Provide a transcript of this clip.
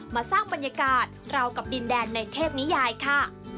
มาสร้างบรรยากาศเรากับดินแดนในเทพนิยายค่ะ